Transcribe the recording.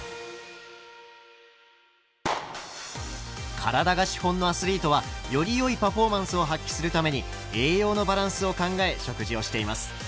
体が資本のアスリートはよりよいパフォーマンスを発揮するために栄養のバランスを考え食事をしています。